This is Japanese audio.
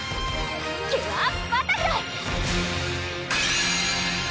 キュアバタフライ！